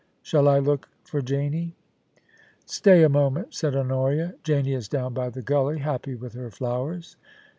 Shall I look for Janie ?Stay a moment,' said Honoria. * Janie is down by the gully, happy with her flowers.